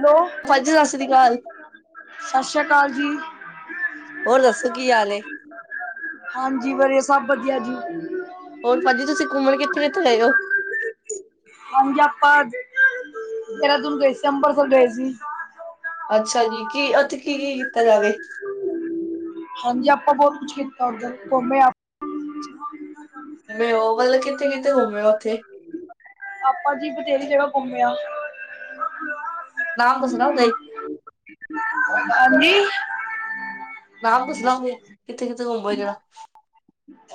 Hello ਭਾਜੀ, ਸਤਿ ਸ਼੍ਰੀ ਅਕਾਲ। ਸਤਿ ਸ੍ਰੀ ਅਕਾਲ ਜੀ। ਹੋਰ ਦੱਸੋ, ਕੀ ਹਾਲ ਏ? ਹਾਂਜੀ ਵਧੀਆ, ਸਭ ਵਧੀਆ ਜੀ। ਹੋਰ ਭਾਜੀ, ਤੁਸੀਂ ਘੁੰਮਣ ਕਿੱਥੇ-ਕਿੱਥੇ ਗਏ ਓ? ਹਾਂਜੀ, ਆਪਾ ਦੇਹਰਾਦੂਨ ਗਏ ਸੀ, ਅੰਬਰਸਰ ਗਏ ਸੀ। ਅੱਛਾ ਜੀ, ਕੀ, ਉੱਥੇ ਕੀ-ਕੀ ਕੀਤਾ ਜਾਕੇ? ਹਾਂਜੀ, ਆਪਾ ਬਹੁਤ ਕੁਛ ਕਿੱਤਾ ਉਧਰ, ਘੁੰਮੇ ਆ। ਮੇਂ ਓ ਵਾਲਾ, ਕਿੱਥੇ-ਕਿੱਥੇ ਘੁੰਮੇ ਉੱਥੇ? ਆਪਾਂ ਜੀ ਬਤੇਰੀ ਜਗ੍ਹਾ ਘੁੰਮਿਆ। ਨਾ ਕੁਸ ਨਾ ਦਈ। ਹਾਂਜੀ ਮੈਮ ਦਸ ਲਾਂਗੇ ਕਿੱਥੇ ਕਿੱਥੇ ਘੁੰਮ ਆਏ ਕੇੜਾ।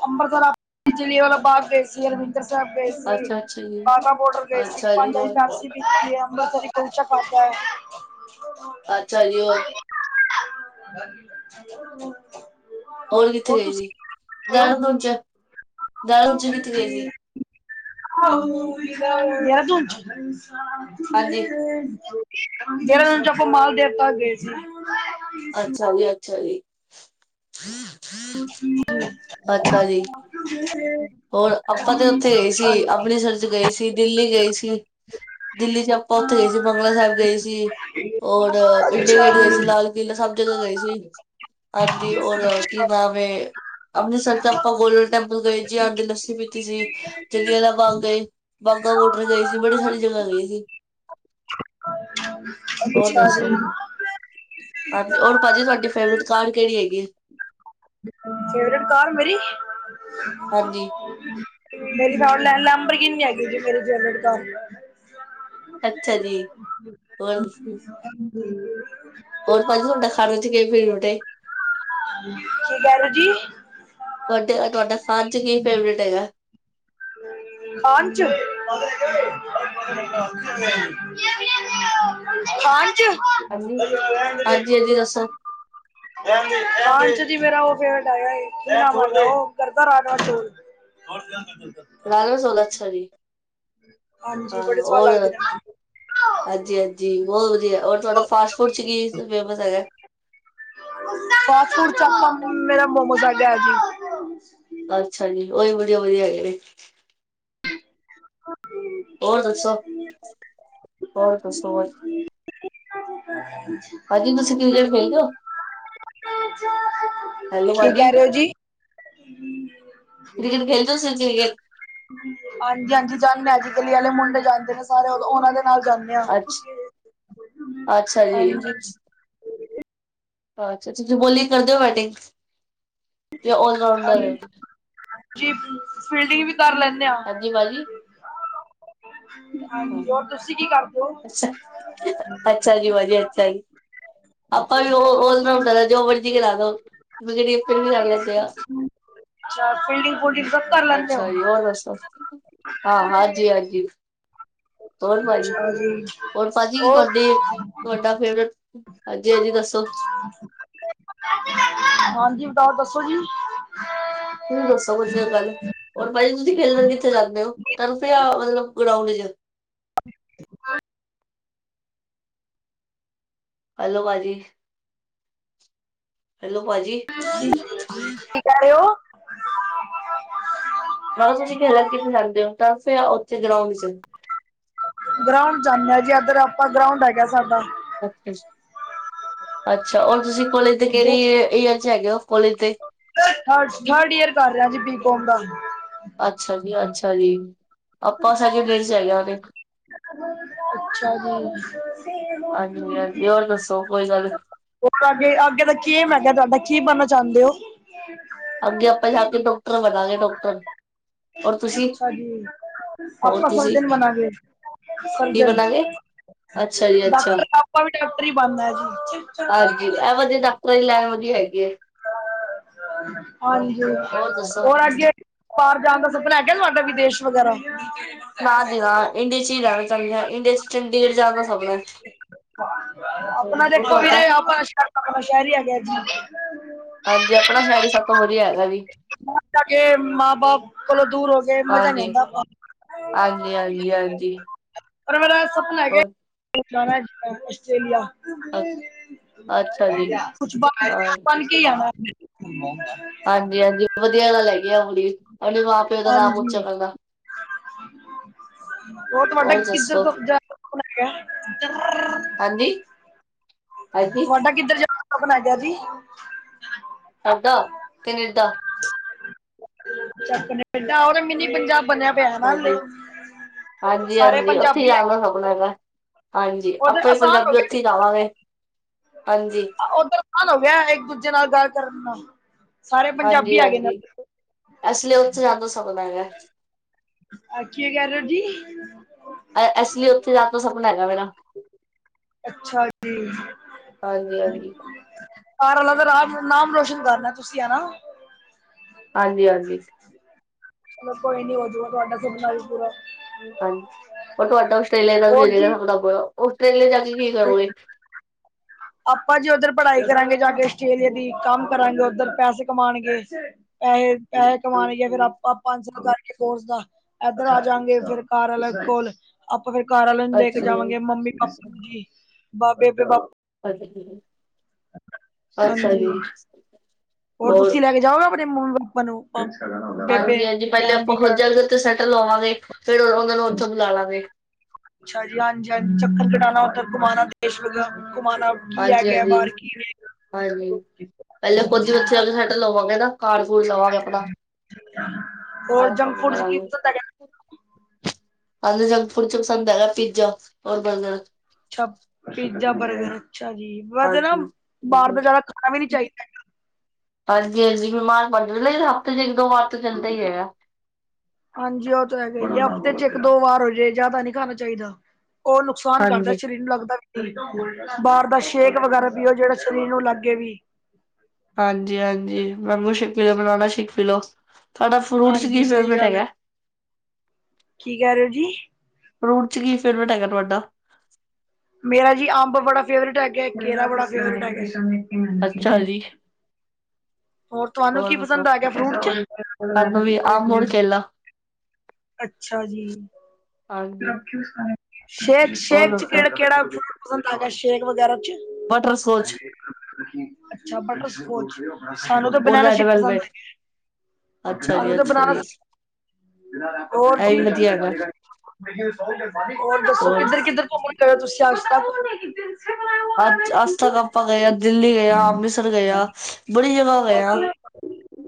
ਅੰਬਰਸਰਾ ਜਲੀਏਵਾਲਾ ਬਾਗ ਗਏ ਸੀ ਅਰ ਹੁਨ। ਅੰਬਰਸਰ ਗਏ ਸੀ, ਅੱਛਾ ਅੱਛਾ ਜੀ ਬਾਘਾ ਬੋਰਡਰ ਗਏ ਸੀ ਅੱਛਾ [unintelligible] ਜੀ ਹੋਰ ਪੰਜਪਸੀ ਬ ਅਮ੍ਰ ਤ ਚ ਖਾਾਬ ਹੈ [unintelligible] ਅੱਛਾ ਜੀ ਓ [inaudible] ਹੋਰ ਕਿੱਥੇ ਗਏ ਸੀ? ਹੈਲੋ ਦਾਰੂ ਦਜ ਦਾਰੂ ਉਜ ਕਿੱਥੇ ਗਏ ਸੀ? ਯ [unintelligible] [unintelligible] ਜਹਰਾ ਹਾਂਜੀ ਦਿਨ ਚ ਆਪਾਂ ਮਾਲਦੇਵ ਤੱਕ ਗਏ ਸੀ। ਅੱਛਾ ਵੀ ਅੱਛਾ ਜੀ। ਹਮ [inaudible] ਅੱਛਾ ਜੀ ਹਮ ਹਮ [inaudible] ਹੋਰ ਆਪਾਂ ਤੇ ਓਥੇ ਗਏ ਸੀ ਅੰਮ੍ਰਿਤਸਰ ਚ ਗਏ ਸੀ, ਦਿੱਲੀ ਗਏ ਸੀ। ਦਿੱਲੀ ਚ ਆਪਾਂ ਓਥੇ ਗਏ ਸੀ ਬੰਗਲਾ ਸਾਬ ਗਏ ਸੀ। ਔਰ ਇੰਡੀਆ ਗੇਟ ਗਏ ਸੀ ਜੀ ਲਾਲ ਕਿਲਾ ਸਭ ਜਗ੍ਹਾ ਗਏ ਸੀ। ਹਾਂਜੀ ਔਰ ਕੀ ਨਾਮ ਏ? ਅੰਮ੍ਰਿਤਸਰ ਚ ਆਪਾਂ ਗੋਲਡ ਟੈਂਪਲ ਗਏ ਜੀ ਆਂਦੇ ਲੱਸੀ ਪੀਤੀ ਸੀ। ਜਲੀਆ ਆਲਾ ਬਾਗ ਗਏ ਬਾਘਾ ਵੋਡਰ ਗਏ ਸੀ ਬੜੀ ਸਾਰੀ ਜਗ੍ਹਾ ਗਏ ਸੀ। ਹੋਰ ਅੱਛਾ ਦੱਸੋ? ਜੀ ਹਾਂਜੀ, ਔਰ ਭਾਜੀ ਤੁਆਡੀ ਫੇਵਰੇਟ ਕਾਰ ਕੇੜੀ ਹੈਗੀ ਏ। ਫੇਵਰੇਟ ਕਾਰ ਮੇਰੀ ਹਾਂਜੀ ਮੇਰੀ ਕਾਰ ਲੈਨ ਲੈਮਬਰ ਕਿਨ ਈ ਹੇਗੀ ਸੀ ਮੇਰੀ ਫੇਵਰਟ ਕਾਰ। ਅੱਛਾ ਜੀ ਹੋਰ ਦਸੋ? ਹਮ [inaudible] ਹੋਰ ਭਾਜੀ ਹੁੰਨ ਤਾ ਖਾਨੇ ਚ ਕੀ ਫੇਵਰਟ ਏ? ਕੀ ਕੈ ਰੇ ਜੀ? ਤੁਆਡੇ ਤੁਆਡਾ ਖਾਣ ਚ ਕੀ ਫੇਵਰੇਟ ਹੈਗਾ? ਹਮ [inaudible] ਖਾਨ ਚ, ਖਾਨ ਚ। ਲੈ [unintelligible] ਤੁਸੀ ਦੱਸੋ? ਖਾਨ ਚ ਜੀ ਮੇਰਾ ਓ ਫੇਵਰਟ ਐਗਾ ਏ ਕੀ ਨਾਮ ਓਦਾ [unintelligible] ਆ ਗਦਾ ਰਾਜ ਹੋਰ ਕੀ [unintelligible] ਕਰ ਚਲਦਾ। ਰਾਣਾ ਸੌਗਾ ਅੱਛਾ ਜੀ ਹਾਂਜੀ ਹਾਂ ਬੜੇ ਸਵਾਦ ਹੋਰ [unintelligible] ਲੱਗਦੇ ਨੇ ਮੈਨੂੰ ਅੱਜੀ, ਅੱਜੀ ਬੌਤ ਵਧੀਆ ਔਰ ਤੁਆਡਾ ਫਾਸਟ ਫੂਡ ਚ ਕੀ ਫੇਵਰਟ ਹੈਗਾ? ਫਾਸਟ ਫੂਡ ਚਪਮ ਮੇਰਾ ਮੋਮੋਸ ਹੈਗਾ ਜੀ। ਅੱਛਾ ਜੀ ਓਈ ਵਧੀਆ, ਵਧੀਆ ਹੈਗੇ ਨੇ। ਹ [inaudible] ਔਰ ਦੱਸੋ? ਬਾ ਫਸਕਲਾਸ [inaudible] ਪਾਜੀ, ਤੁਸੀਂ ਕਿਰੇਟ ਖੇਲਦੇ ਔ? ਹੈਲੋ ਕੀ ਭਾਜੀ ਕੈ ਰੇ ਓ ਜੀ? ਕ੍ਰਿਕਿਟ ਖੇਲਦੇ ਓ ਕ੍ਰਿਕੇਟ? ਹਾਂਜੀ ਹਾਂਜੀ, ਜਾਂਦ ਮੈਜੀ ਕੱਲੀ ਆਲੇ ਮੁੰਡੇ ਜਾਂਦੇ ਨੇ ਸਾਰੇ ਓਹਨਾਂ ਦੇ ਨਾਲ ਜਾਂਦ ਦੇ ਆਂ, ਅੱਛਾ ਅੱਛਾ ਜੀ। ਹਾਂਜੀ। ਅੱਛਾ ਅੱਛਾ, ਤੁ ਬੋਲੀਗ ਕਰਦੇ ਓ ਵੈਟਿੰਗ? ਤੇ ਓ ਜੀ ਫਿਲਿਡਿੰਗ ਵੀ ਕਰ ਲੈਣ ਹਾਜੀ ਪਾਜੀ। ਹਾਂਜੀ, ਔਰ ਤੁਸੀਂ ਕੀ ਕਰਦੇ ਓ? [inaudible] ਅੱਛਾ ਅਪਾਂ ਵੀ ਓਹ ਓਸ ਨਾਲ ਕਰੈ ਜੋ ਮਰਜ਼ੀ ਕਰਾ ਦੋ। [unintelligible] ਫਿਰ ਵੀ ਕਰ ਲੈਂਦੇ ਆ। ਹੂੰ, ਅੱਛਾ ਫਿਲਡਿੰਗ-ਫੂਲਡਿੰਗ ਸਬ ਅੱਛਾ ਜੀ, ਹੋਰ ਦੱਸੋ? ਹਾਂ, ਹਾਜੀ ਹਾਜੀ, ਹੋਰ ਪਾਜ ਆ ਗਈ। ਓਰ ਭਾਜੀ ਕੀ ਤੁਆਡੇ, ਤੁਆਡਾ ਫੇਵਰੇਟ, ਅਗੇ ਐ ਜੀ ਦੱਸੋ? ਹੂੰਹੂੰ। ਹਾਂਜੀ, ਬਤਾਓ ਦੱਸੋ ਜੀ। ਤੁਸੀਂ ਦੱਸੋ, ਵਜੀਆ ਗੱਲ। ਔਰ ਭਾਜੀ ਤੁਸੀਂ ਖੇਲਣ ਕਿੱਥੇ ਜਾਂਦੇ ਓ? ਤਰਫ ਯਾ ਮਤਲਬ ਗਰਾਂਊਂਡ ਇਚ? [inaudible] ਹੈਲੋ ਭਾਜੀ। ਹੈਲੋ ਭਾਜੀ। ਕੀ ਕੈ ਰੇ ਓ? ਮਾਲੋ ਤੁਸੀਂ ਖੇਲਣ ਕਿਥੇ ਜਾਂਦੇ ਓ, ਤਰਫ ਯਾ ਓਥੇ ਗਰਾਉਂਡ ਇਚ? ਗਰਾਉਂਡ ਜਾਂਦੇ ਆ ਜੀ। ਐਧਰ ਆਪਾਂ ਗਰਾਉਂਡ ਹੈਗਾ ਸਾਡਾ। ਓਕੇ ਜੀ, ਅੱਛਾ ਔਰ ਤੁਸੀਂ ਕੋਲੇਜ ਦੇ ਕੇੜੇ ਈਅਰ ਚ ਹੈਗੇ ਓ, ਕੋਲੇਜ ਦੇ? ਥਰਡ, ਥਰਡ ਈਅਰ ਕਰ ਰਿਆ ਜੀ ਬੀਕੋਮ ਦਾ। ਅੱਛਾ ਜੀ ਅੱਛਾ ਜੀ, ਅਪਾਂ ਸੈਕਿੰਡ ਈਅਰ ਚ ਹੈਗੇ ਆ ਅਰੇ। ਅੱਛਾ ਜੀ। ਹਾਂਜੀ ਹਾਂਜੀ ਹੋਰ ਦੱਸੋ, ਕੋਈ ਗੱਲ? ਔਰ ਆਗੇ, ਆਗੇ ਦਾ ਕੇਮ ਹੈਗੈ ਤੁਐਡਾ, ਕੀ ਬਣਨਾ ਚਾੰਦੇ ਓ? ਅੱਗੇ ਅਪਾਂ ਜਾ ਕੇ ਡੋਕਟਰ ਬਣਾਂਗੇ, ਡੋਕਟਰ। ਅੱਛਾ ਜੀ, ਹੋਰ ਅਪਾਂ ਤੁਸੀਂ ਸਰਜਨ ਬਣਾਗੇਂ। ਕੀ ਬਣਾਂਗੇ? ਅੱਛਾ ਜੀ ਅੱਛਾ ਡਾਕਟਰ, ਆਪਾ ਵੀ ਡਾਕਟਰ ਈ ਬਣਣੈ ਜੀ। ਹਾਂਜੀ ਇਹ ਵਧੀਆ ਡਾਕਟਰਾਂ ਦੀ ਲੈਣ ਵਧੀਆ ਹੈਗੀ ਏ। ਹਾਂਜੀ, ਹੋਰ ਦੱਸੋ ਔਰ ਆੱਗੇ ਜਾਣ ਦਾ ਸਪਨਾ ਹੈਗੈ ਤੁਐਡਾ ਵਿਦੇਸ਼ ਵਗੈਰਾ? ਨਾ ਜੀ ਨਾ, ਇੰਡੀਆ ਚ ਈ ਰੈਣਾ ਚਾੰਦੇ ਆਂ। ਇੰਡੀਆ ਚ ਚੰਡੀਗੜ੍ਹ ਜਾਣ ਦਾ ਸਪਨੈ। ਅਪਣਾ ਦੇਖੋ ਵੀਰੇ ਆਪਾਂ ਤਾਂ ਸੈ਼ਰੀ ਸੈ਼ਰੀ ਹੈਗੇ ਆ ਜੀ। ਹਾਂਜੀ, ਆਪਣਾ ਸੈ਼ਰ ਈ ਸਭ ਤੋਂ ਵਧੀਆ ਹੈਗੈ ਵੀ। ਬਾਹਰ ਜਾ ਕੇ ਮਾਂ ਬਾਪ ਕੋਲੋਂ ਦੂਰ ਹੋ ਗੇ ਮਜ਼ਾ ਨੀ ਆਂਦਾ ਅਪਾਂ ਹਾਂਜੀ ਹਾਂਜੀ ਹਾਂਜੀ ਪਰ ਮੇਰਾ ਸਪਨਾ ਹੈਗੈ ਹੋਰ ਜਾਣੈ ਆਸਟ੍ਰੇਲੀਆ। ਅੱਛਾ ਜੀ ਕੁਛ ਬਾਣ ਹਾਂ ਬਣ ਕੇ ਆਵਾਂ। ਹਾਂਜੀ ਹਾਂਜੀ, ਵਧੀਆ ਆਲਾ ਲੈ ਗੀ ਆ ਅਵਲੀ, ਅਵਲੀ ਵਾ ਹਾਂਜੀ। ਬਹੁਤ ਵੱਡਾ ਹੋਰ ਦੱਸੋ [unintelligible] ਹਾਂਜੀ। ਹਾਂਜੀ ਤੁਹਾਡਾ ਕਿੱਧਰ ਜਾਣਾਂ ਬਣ ਗਿਆ ਜੀ। ਸਾਡਾ ਕੰਨੇਡਾ। ਕੰਨੇਡਾ ਉਹ ਤੇ ਮੀਨੀ ਪੰਜਾਬ ਬਣਿਆ ਪਿਆ ਨਾ ਹਲੇ। ਹਾਂਜੀ ਹਾਂਜੀ- ਸਾਰੇ ਹਾਂਜੀ ਉੱਥੇ ਹੀ ਪੰਜਾਬੀ ਜਾਣ ਦਾ ਸਪਨਾ ਹੈਗੇ ਹੈਗਾ, ਹਾਂਜੀ ਉਧਰ ਆਪਾਂ ਦੇ ਪੰਜਾਬੀ ਉੱਥੇ ਜਾਂਵਾਂਗੇ। ਓਧਰ ਅਸਾਨ ਹੋ ਗਿਆਂ, ਇੱਕ ਦੂਜੇ ਨਾਲ਼ ਗੱਲ ਕਰਨ ਦਾ। ਹਾਂਜੀ -ਹਾਂਜੀ ਐਸ ਲੀ ਉੱਥੇ ਜਾਣ ਦਾ ਸਪਨਾ ਹੈਗਾ। ਅ ਕੀ ਕਹਿ ਰਹੇ ਔ ਜੀ। ਐਸ ਲਈ ਉੱਥੇ ਜਾਂਣ ਦਾ ਸਪਨਾ ਹੈਗਾ ਮੇਰਾ। ਅੱਛਾ ਜੀ। ਹਾਂਜੀ ਹਾਂਜੀ ਘਰ ਆਲਿਆਂ ਦਾ ਰਾਜ ਨਾਂਮ -ਨਾਂਮ ਰੋਸ਼ਨ ਕਰਨਾਂ ਤੁਸੀਂ ਹਨਾ। ਹਾਂਜੀ- ਹਾਂਜੀ। ਚਲੋਂ ਕੋਈ ਨੀ ਹੋਜੂਗਾ ਤੁਹਾਡਾ ਸੁਪਨਾ ਵੀ ਪੂਰਾਂ। ਹਾਂਜੀ ਔਰ ਤੁਹਾਡਾ ਆਸਟ੍ਰੇਲੀਆ ਦਾ ਹੋਰ ਵੀਜੇ ਦਾ ਉੱਥੇ ਜਾ ਕੇ ਕੀ ਜੀ ਕਰੋਂਗੇ। ਆਪਾਂ ਜੀ ਉੱਧਰ ਪੜ੍ਹਾਈ ਕਰਾਂਗੇ ਜਾ ਕੇ ਆਸਟ੍ਰੇਲੀਆ ਦੀ, ਕੰਮ ਕਰਾਂਗੇ ਉੱਧਰ ਪੈਸੇ ਕਮਾਉਣਗੇ। ਪੈਸੇ -ਪੈਸੇ ਕਮਾ ਗੇ ਆਪਾ, ਫੇਰ ਆਪਾਂ ਪੰਜ ਨੂੰ ਕਰਕੇ। ਫੋਰਸ ਦਾ ਏਧਰ ਆਜਾਗੇ, ਫਿਰ ਕਾਰ ਆਲਿਆਂ ਕੋਲ਼। ਆਪਾਂ ਫੇਰ ਘਰ ਆਲਿਆਂ ਨੂੰ ਲੈ ਕੇ ਅੱਛਾ ਜਾਂਵਾਂਗੇ, ਮੰਮੀ ਪਾਪਾ ਨੂੰ ਜੀ ਬਾਬੇ ਬੇਪ [unintelligible] ਅੱਛਾ ਹਾਂਜੀ, ਜੀ ਹੋਰ ਤੁਸੀਂ ਲ਼ੈ ਕੇ ਜਾਓ ਨਾ ਆਪਣੇਂ ਮੰਮੀ ਪਾਪਾਂ ਨੂੰ ਹਾਜੀ। ਹਾਂਜੀ -ਹਾਂਜੀ ਪਹਿਲੇ ਆਪਾਂ ਖੁਦ ਜਾ ਕੇ ਉੱਥੇ ਸੈਟਲ ਹੋਵਾਂਗੇ, ਫੇਰ ਉਹ ਉਹਨਾਂ ਨੂੰ ਉੱਥੋ ਬੁਲਾਲਗੇ। ਅੱਛਾ ਜੀ ਹਾਂਜੀ ਚੱਕਰ ਘਡਾਣਾ ਉੱਧਲ ਘੁੰਮਾਣਾ ਦੇਸ਼ ਮਤਲਬ ਘੁੰਮਾਨਾ। ਕੀ ਹੈ ਹਾਂਜੀ ਗਿਆਂ ਹਾਂਜੀ ਬਾਹਰ ਕੀਵੇਂ ਹਾਂਜੀ ਪਹਿਲੇ ਖੁੱਦ ਹੀ ਉੱਥੇ ਜਾਂ ਕੇ ਸੈਟਲ ਹੋਵਾਂਗੇ ਨਾ ਕਾਂਡ ਕੂਡ ਲਵਾਂਗੇ ਆਪਣਾਂ। [unintelligible] ਹੋਰ ਜੰਕ ਫੂਡ ਚ ਕੀ ਹਾਂਜੀ, ਪਸੰਦ ਹੈਗਾ ਜੰਕ ਫੂਡ ਚ ਪਸੰਦ ਹੈਗਾ ਪੀਜ਼ਾ ਔਰ ਬਥਗਰ। ਅੱਛਾ ਪੀਜ਼ਾਂ ਬਰਗਰ ਅੱਛਾ ਜੀ, ਵੈਸੇ ਨਾ ਬਾਹਰ ਦਾ ਜ਼ਿਆਦਾ ਖਾਣਾ ਵੀ ਨੀ ਚਾਹੀਂਦਾ। ਹਾਂਜੀ- ਹਾਂਜੀ ਮਿਮਾਰ ਪਣ ਹਫ਼ਤੇ ਚ ਇੱਕ ਦੋ ਵਾਰ ਤੇ ਚੱਲਦਾ ਹੀ ਐ। ਹਾਂਜੀ ਉਹ ਤਾਂ ਹੈਗੇ ਈ ਆ, ਹਫ਼ਤੇ ਚ ਇੱਕ ਦੋ ਵਾਰ ਹੋਜੇ ਜ਼ਿਆਦਾ ਨੀ ਖਾਣਾਂ ਚਾਹੀਂਦਾ। ਉਹ ਨੁਕਸਾਨ ਕਰਦਾਂ, ਹਾਂਜੀ, ਸਰੀਰ ਨੂੰ ਲੱਗਦਾ ਵੀ ਨੀ ਬਾਹਰ ਦਾ ਸ਼ੇਕ ਵਗ਼ੈਰਾ ਪੀਓ ਜਿਹੜਾਂ ਸ਼ਰੀਰ ਨੂੰ ਲੱਗੇ ਵੀ ਹਾਂਜੀ- ਹਾਂਜੀ ਮੈਂਗੂ ਸ਼ੇਕ ਪੀ ਲਓ, ਬਨਾਨਾ ਸ਼ੇਕ ਪੀ ਲਓ। ਤੁਹਾਡਾ ਫਰੂਟ ਚ ਹਾਂਜੀ ਕੀ ਸਹੀ ਫੇਵਰਟ ਗੱਲ ਹੈ ਹੈਗਾ। ਕੀ ਕਹਿ ਰੇ ਔ ਜੀ। ਫਰੂਟ ਚ ਕੀ ਫੇਵਰਟ ਹੈਗਾ ਤੁਹਾਡਾ ਮੇਰਾ ਜੀ ਅੰਬ ਬੜਾਂ ਫੇਵਰਟ ਹੈਗਾ, ਇੱਕ ਕੇਲਾਂ ਬੜਾਂ ਫੇਵਰਟ ਹੈਗਾ ਅੱਛਾ ਜੀ। ਜੀ, ਹੋਰ ਤੁਹਾਨੂੰ ਕੀ ਪਸੰਦ ਆ ਗਿਆ ਫਰੂਟ ਚ ਸਾਨੂੰ ਵੀ ਅੰਬ ਔਰ ਕੇਲਾ। ਅੱਛਾ ਜੀ ਹਾਂਜੀ, ਸ਼ੇਕ- ਹੋਰ ਸ਼ੇਕ ਚ ਕਿਹੜਾ- ਦੱਸੋ? ਕਿਹੜਾ ਵਰਕ ਹੈਗਾ ਸ਼ੇਕ ਵਗ਼ੈਰਾ ਚ ਬਟਰ ਸਕੋਚ। ਅੱਛਾ ਬਟਰ ਸਕੋਚ, ਸਾਂਨੂੰ ਤਾਂ ਔਰ ਬਨਾਨਾ ਰੈਡ ਸੇਕ ਪਸੰਦ ਵੈਲਵੇਟ। ਹੈਗੇ ਨੇ। ਅੱਛਾ ਹਾਨੂੰ ਜੀ, ਤੇ ਅੱਛਾ ਬਨਾਨਾ ਜੀ ਸੇ ਹੋਰ ਇਹ ਵੀ ਵਧੀਆ ਹੈਗਾ ਦੱਸੋ ਹੋਰ ਕਿੱਧਰ- ਕਿੱਧਰ? ਾ ਤੁਸੀਂ ਆਸਦਾ ਅੱਜ ਤੱਕ ਆਪਾ ਗਏ ਆ, ਦਿੱਲੀ ਗਏ, ਆ ਅੰਮ੍ਰਿਤਸਰ ਗਏ ਆ। ਬੜੀ ਜਗ੍ਹਾ ਗਏ ਆ,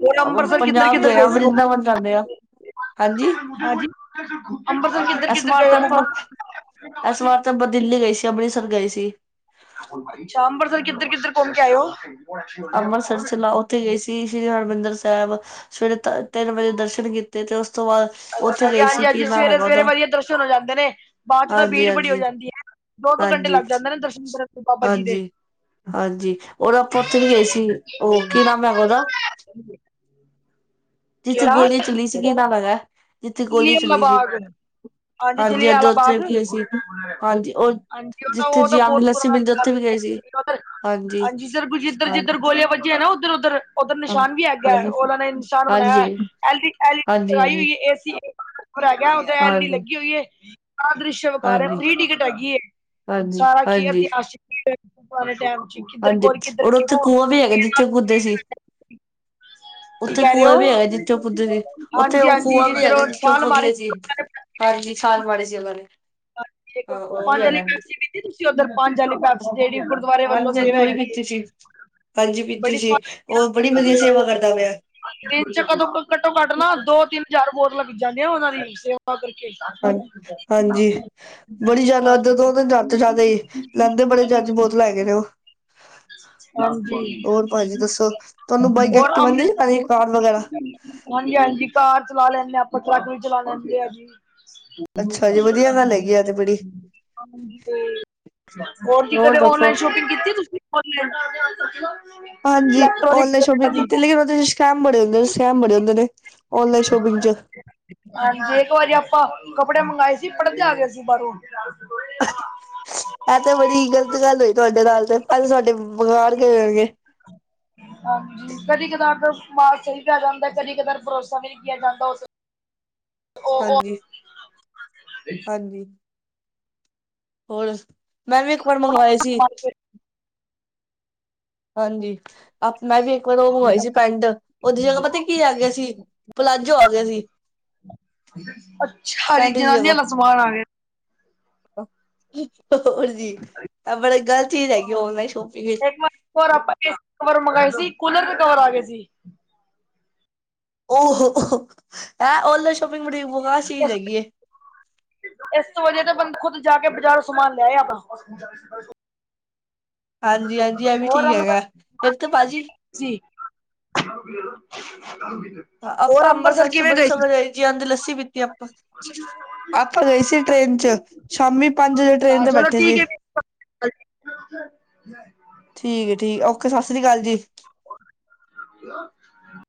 ਹੋਰ ਆਪਾਂ ਅੰਮ੍ਰਿਤਸਰ ਪੰਜਾਬ ਗਏ ਆ, ਵਰਿੰਦਾਵਨ ਜਾਂਦੇ ਆ। ਹਾਂਜੀ ਪਾਜੀ ਅੰਬਰਸਰ ਕਿੱਧਰ- ਕਿੱਧਰ ਗਏ ਆ ਘੁੰਮਣ? ਏਸ ਵਾਰ ਤਾਂ ਆਪਾ ਦਿੱਲੀ ਗਏ ਸੀ, ਅੰਮ੍ਰਿਤਸਰ ਗਏ ਸੀ। ਅੱਛਾ ਅੰਬਰਸਰ ਕਿੱਧਰ- ਕਿੱਧਰ ਘੁੰਮ ਕੇ ਆਏ ਓ? ਅੰਮ੍ਰਿਤਸਰ ਚਲਾ ਓਥੇ ਗਏ ਸੀ, ਸ਼੍ਰੀ ਹਰਿਮਿੰਦਰ ਸਾਹਿਬ ਸਵੇਰੇ ਤ ਤਿੰਨ ਵਜੇ ਦਰਸ਼ਨ ਕੀਤੇ ਤੇ ਉਸ ਤੋਂ ਬਾਅਦ ਓਥੇ ਅੱਛਾ ਜੀ ਗਏ ਹਾਂਜੀ ਸੀ ਕਿ ਹਾਂਜੀ ਨਾਮ ਸਵੇਰੇ ਹੈਗਾ ਸਵੇਰੇ ਓਦਾ? ਵਧੀਆ ਦਰਸ਼ਨ ਹੋ ਜਾਂਦੇ ਨੇ ਬਾਅਦ ਚ ਤਾਂ ਭੀੜ ਬੜੀ ਹੋ ਜਾਂਦੀ ਏ, ਦੋ -ਦੋ ਘੰਟੇ ਹਾਂਜੀ, ਲੱਗ ਜਾਂਦੇ ਨੇ ਦਰਸ਼ਨ ਕਰਨ ਨੂੰ। ਬਾਬਾ ਜੀ ਦੇ ਹਾਂਜੀ -ਹਾਂਜੀ ਓ ਤਾ ਆਪਾ ਓਥੇ ਗਏ ਸੀ, ਓ ਕੀ ਨਾਮ ਹੈਗਾ ਓਦਾ? ਜਿੱਥੇ ਕਿਹੜਾ ਗੋਲੀ ਚੱਲੀ ਸੀ, ਕੀ ਨਾਮ ਹੈਗਾ? ਜਿੱਥੇ ਗੋਲੀ ਜਲਿਆਂ ਵਾਲਾ ਚੱਲੀ ਸੀ। ਬਾਗ ਹਾਂਜੀ ਜਲਿਆਂ ਓਧਰ ਵਾਲਾ ਓਥੇ ਬਾਗ ਵੀ ਗਏ ਸੀ ਅਸੀ,, ਹਾਂਜੀ ਉਹ ਹਾਂਜੀ ਉਹ ਤਾਂ ਜਿੱਥੇ ਉਹ ਤਾਂ ਜੀਆਮ ਦੀ ਬਹੁਤ ਲੱਸੀ ਮਿਲਦੀ ਪੁਰਾਣਾ ਓਥੇ ਵੀ ਗਏ ਸੀ। ਇਤਿਹਾਸ ਹਾਂਜੀ ਜਿਧਰ- ਜੱਧਰ ਹਾਂਜੀ। ਗੋਲੀਆਂ ਵੱਜੀਆ ਨਾ ਓਧਰ -ਓਧਰ। ਓਧਰ ਨਿਸ਼ਾਨ ਹਾਂਜੀ, ਵੀ ਹੈਗਾ ਹਾਂਜੀ, ਓਨਾਂ ਨੇ ਨਿਸ਼ਾਨ ਬਣਾਇਆ ਹਾਂਜੀ, ਹੋਈਆ ਐਲ ਈ, ਐਲ ਈ, ਲਗਾਈ ਹਾਂਜੀ, ਹੋਈ ਆ, ਏਸੀ। ਪਰ ਹੈਗਾ ਓਦਰ ਐਲ ਡੀ ਹਾਂਜੀ, -ਡੀਲੱਗੀ ਹੋਈ ਏ। ਆ ਦ੍ਰਿਸ਼ ਵਿਖਾ ਰਏ, ਹਾਂਜੀ। ਫ੍ਰਰੀ ਟਿਕਟ ਹੈਗੀ ਏ, ਹਾਂਜੀ, ਸਾਰਾ ਕੀ ਹਾਂਜੀ, ਇਤਿਹਾਸਿਕ ਹਾਂਜੀ, ਕਿੱਧਰ ਔਰ ਓਥੇ ਕਿਉਂ ਕੂਆ ਵੀ ਹੈਗਾ ਜਿੱਥੇ ਓ ਕੁਦੇ ਸੀ? ਕੀ ਓਥੇ ਕਹਿ ਰਹੇ ਕੂਆ ਵੀ ਹੈਗਾ ਜਿੱਥੇ ਓ ਕੁੱਦੇ ਹੋ ਸੀ, ਓਥੇ ਹਾਂਜੀ ਓ ਹਾਂਜੀ ਖੂਆ ਵੀ ਹੈਗਾ ਜਿੱਧਰੋਂ ਜਿੱਥੇ ਓ ਛਾਲ ਕੁੱਦ ਮਾਰੀ ਗਏ ਸੀ। ਹਾਂਜੀ ਛਾਲ ਮਾੜੀ ਸੀ ਓਨਾਂ ਨੇ, ਹਾ ਓ ਵੀ ਹੈਗਾ। ਜੀ ਤੁਸੀਂ ਓਧਰ ਪੰਜ ਵਾਲੀ ਬਸ, ਜੇੜੀ ਗੁਰਦੁਆਰੇ ਵੱਲੋਂ ਹਾਂਜੀ, ਸੇਵਾ ਹਾਂਜੀ ਉਹੀ ਹੈਗੀ ਏ। ਪੀਤੀ ਸੀ ਹਾਂਜੀ ਪੀਤੀ ਸੀ ਓ ਬੜੀ ਵੱਧੀਆ ਸੇਵਾ ਕਰਦਾ ਪੇਆ। ਜੀ ਘੱਟੋ -ਘੱਟ ਨਾ ਦੋ, ਤਿੰਨ, ਹਜ਼ਾਰ ਬੋਤਲਾ ਵਿਕ ਜਾਂਦੀਆਂ ਓਨਾਂ ਦੀ ਵੀ, ਅੱਛਾ। ਹਾਂ ਹਾਂਜੀ ਕਰ ਹਾਂਜੀ ਲੇਂਦੇ ਬੜੇ ਜੱਜ ਬੋਤਲਾ ਹੈਗੇ ਨਾ। ਹਮ ਹਾਂਜੀ ਭਾਜੀ ਦੱਸੋ ਤੁਹਾਨੂੰ ਬਾਈਕ ਹੋਰ ਐਕਟਿਵਾ ਆਂਦੀ ਚਲਾਣੀ ਅੰਮ੍ਰਿਤਸਰ ਕਾਰ ਵਗੈਰਾ ਹਾਂਜੀ -ਹਾਂਜੀ ਕਾਰ ਚਲਾ ਲੈਂਦਾ ਆਾਂ, ਆਪਾਂ ਆਟੋ ਵੀ ਚਲਾ ਲੈਂਦੇ ਆ ਜੀ। ਅੱਛਾ ਜੀ ਵੱਧੀਆ ਗੱਲ ਹੈਗੀ ਆ ਤੇ ਬੜੀ। ਹਾਂਜੀ ਹੋਰ, ਹੋਰ ਜੀ ਕਦੇ ਓਨਲਾਈਨ ਸ਼ੋਪਿੰਗ ਕੀਤੀ ਤੁਸੀਂ? ਔਨਲਾਈਨ? ਹਾਂਜੀ, ਇਲੈਕਟ੍ਰੋਨਿਕਸ ਔਨਲਾਈਨ ਵਗੈਰਾ ਸ਼ੋਪਿੰਗ ਦੀ। ਕੀਤੀ, ਲੇਕਿਨ ਔਦੇ ਚ ਸਕੈਮ ਬੜੇ -ਨੇ ਸਕੈਮ ਬੜੇ ਹੁੰਦੇ ਨੇ। ਔਨਲਾਈਨ ਸ਼ੋਪਿੰਗ ਚ। ਹਾਂਜੀ, ਏਕ ਵਾਰੀ ਆਪਾਂ ਕੱਪੜੇ ਮੰਗਾਏ ਸੀ, ਪਰਦੇ ਆ ਗੇ ਸੀ, ਬਾੱਰੋਂ। ਐ, ਤੇ ਬੜੀ ਗ਼ਲਤ ਗੱਲ ਹੋਈ ਤੁਹਾਡੇ ਨਾਲ, ਤੇ ਅ ਸਾਡੇ ਬਕਾਰ ਗਏ ਹੋਣਗੇ। ਹਾਂਜੀ, ਕਦੀ-ਕਦਾਰ ਮਾਲ ਸਈ ਪੈ ਜਾਂਦਾ, ਕਦੀ ਕਦਾਰ ਪਰੋਸਾ ਵੀ ਨੀ ਕਿਆ ਜਾਂਦਾ ਔਸ ਹਾਂਜੀ-ਹਾਂਜੀ। ਹੋਰ, ਮੈਂ ਵੀ ਇੱਕ ਵਾਰ ਮੰਗਵਾਏ ਸੀ। ਹਾਂਜੀ। ਆਪਾ ਜੀ ਇੱਕ ਵਾਰ ਔ ਮੰਗਵਾਈ ਸੀ, ਪੈਂਟ ਔਦੀ ਜਗ੍ਹਾ ਪਤਾ ਕੀ ਆ ਗਿਆ ਸੀ, ਪਲਾਜੋ ਆ ਗਿਆ ਸੀ। ਅੱਛਾ ਜੀ, ਪੈਂਟ ਦੀ ਜਨਾਨੀ ਵਾਲਾ ਜਗ੍ਹਾ ਸਮਾਨ ਆ ਗਿਆ। [inaudible] ਹੋਰ ਜੀ, ਐ ਬੜੇ ਗ਼ਲਤ ਚੀਜ਼ ਹੈਗੀ ਔਨਲਾਈਨ ਸ਼ੋਪਿੰਗ। ਹੋਰ, ਆਪਾਂ ਏਸੀ ਕਵਰ ਮੰਗਾਏ ਸੀ, ਕੂਲਰ ਦੇ ਕਵਰ ਆ ਗੇ ਸੀ। ਔਹੋ-ਔਹੋ, ਐ ਔਨਲਾਈਨ ਸ਼ੋਪਿੰਗ ਬੜੀ ਬਕਾਰ ਚੀਜ਼ ਹੈਗੀ ਏ। ਏਸ ਤੋ ਵਧਿਆ, ਤੇ ਬੰਦਾ ਖੁੱਦ ਜਾ ਕੇ ਬਾਜ਼ਾਰੋ ਸਮਾਨ ਲੈ ਆਏ ਅਪਣਾ। ਹਾਂਜੀ ਹਾਂਜੀ ਇਹ ਵੀ ਹੋਰ। ਠੀਕ ਹੈਗਾ। ਇੱਕ ਤੇ ਭਾਜੀ ਜੀ। ਆਪਾਂ ਅੰਮਬਰਸਰ ਚ ਬੜੀ ਸਮੱਝ ਆਈ, ਜੀਂਆਂਦੇ ਲੱਸੀ ਪੀਤੀ, ਆਪਾਂ। ਆਪਾਂ ਗਯੇ ਸੀ ਟ੍ਰੇਨ ਚ, ਸ਼ਾਮੀ ਪੰਜ ਵਜੇ ਟ੍ਰੇਨ ਅੱਛਾ ਤੇ ਚਲੋ ਬੈਠੇ ਸੀ। [inaudible] ਠੀਕ ਏ-ਠੀਕ ਏ, ਔਕੇ ਸਤਿ ਸ੍ਰੀ ਅਕਾਲ ਜੀ। [inaudible]